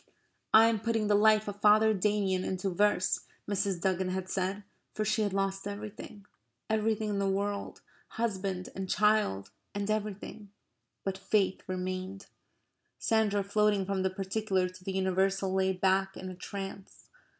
"I am putting the life of Father Damien into verse," Mrs. Duggan had said, for she had lost everything everything in the world, husband and child and everything, but faith remained. Sandra, floating from the particular to the universal, lay back in a trance.